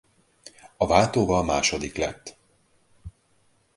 A váltóval második lett.